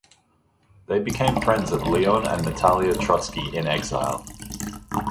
They became friends of Leon and Natalia Trotsky in exile.